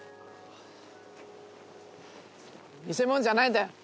見せ物じゃないんだよ。